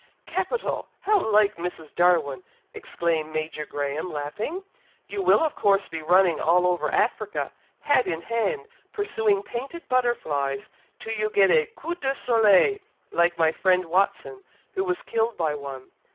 "Capital! How like Mrs. Darwin!" exclaimed Major Graham, laughing. "You will of course be running all over Africa, hat in hand, pursuing painted butterflies, till you get a coup de soleil, like my friend Watson, who was killed by one.